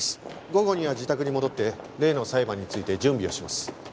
午後には自宅に戻って例の裁判について準備をします。